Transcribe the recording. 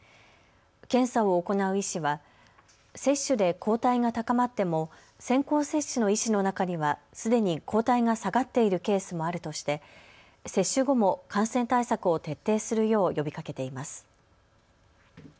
検査を行う医師は接種で抗体が高まっても先行接種の医師の中にはすでに抗体が下がっているケースもあるとして接種後も感染対策を徹底するよう呼びかけています。